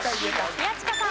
宮近さん。